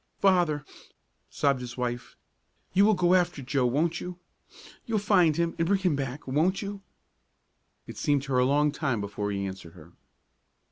"Father," sobbed his wife, "you will go after Joe, won't you? You'll find him, and bring him back, won't you?" It seemed to her a long time before he answered her.